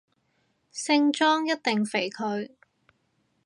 聖莊一定肥佢